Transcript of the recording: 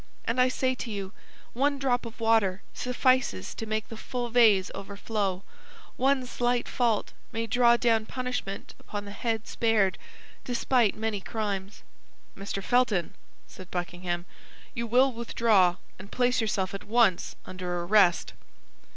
And I say to you: one drop of water suffices to make the full vase overflow; one slight fault may draw down punishment upon the head spared, despite many crimes." "Mr. Felton," said Buckingham, "you will withdraw, and place yourself at once under arrest."